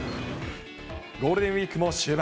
ゴールデンウィークも終盤。